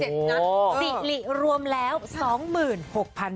๔หลีรวมแล้ว๒๖๐๐๐บาท